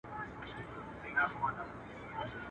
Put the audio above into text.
o چي کرې، هغه به رېبې.